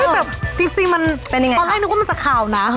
แต่จริงมันเป็นยังไงตอนแรกนึกว่ามันจะคาวนะ